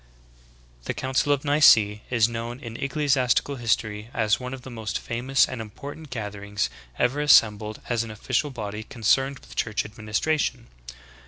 20. The Council of Nice is known in ecclesiastical his tory as one of the most famous and important gatherings ever assembled as an official body concerned with church administration.